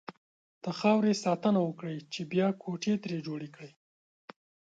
د خاورې ساتنه وکړئ! چې بيا کوټې ترې جوړې کړئ.